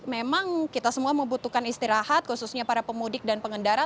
memang kita semua membutuhkan istirahat khususnya para pemudik dan pengendara